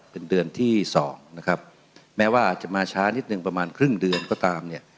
เป็นเดือนที่สองนะครับแม้ว่าอาจจะมาช้านิดหนึ่งประมาณครึ่งเดือนก็ตามเนี่ย